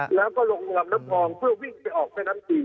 แล้วก็ลงลำน้ำพองเพื่อวิ่งไปออกแม่น้ำกิ่ง